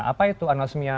apa itu anosmia